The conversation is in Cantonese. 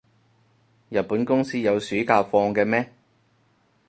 日本公司有暑假放嘅咩？